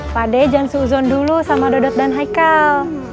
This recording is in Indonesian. pade jangan suuzon dulu sama dodot dan haikal